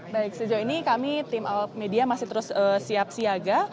baik sejauh ini kami tim awak media masih terus siap siaga